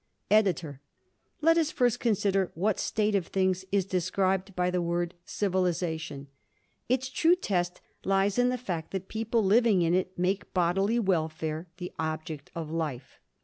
EDITOR: Let us first consider what state of things is described by the word "civilization." Its true test lies in the fact that people living in it make bodily welfare the object of life.